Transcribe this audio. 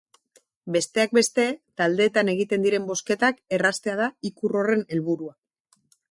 Besteak beste, taldeetan egiten diren bozketak erraztea da ikur horren helburua.